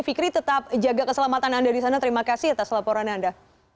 fikri tetap jaga keselamatan anda di sana terima kasih atas laporan anda